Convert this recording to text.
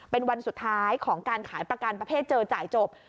เป็นวันสุดท้ายของการขายประกันประเภทเจอจ่ายจบ